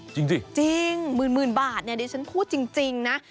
จริงสิจริงหมื่นบาทเนี่ยดิฉันพูดจริงนะ